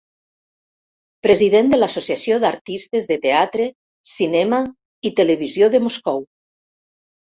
President de l'Associació d'Artistes de Teatre, Cinema i Televisió de Moscou.